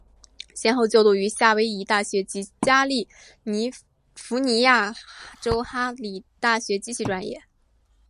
先后就读于夏威夷大学及加利福尼亚州哈里大学机械专业。